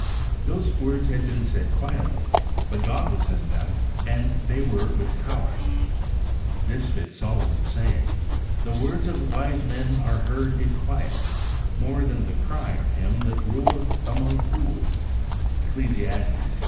Those words had been said quietly, but God was in them, and they were with power. This fits Solomon's saying, ' The words of wise men are heard in quiet more than the cry of him that ruleth among fools ' (Eccles.